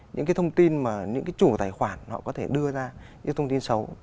những thông tin mà những chủ tài khoản họ có thể đưa ra những thông tin xấu